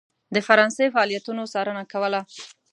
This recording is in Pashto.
د فرانسې فعالیتونو څارنه کوله.